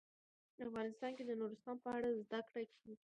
افغانستان کې د نورستان په اړه زده کړه کېږي.